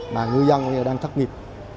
mà ngư dân đang thất nghiệp